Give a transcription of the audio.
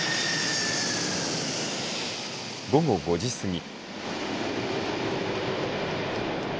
午後５時過ぎ。